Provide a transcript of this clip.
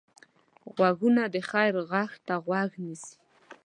غوږونه د خیر غږ ته غوږ نیسي